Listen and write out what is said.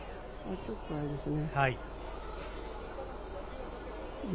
ちょっと、あれですね。